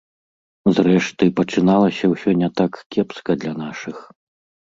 Зрэшты, пачыналася ўсё не так кепска для нашых.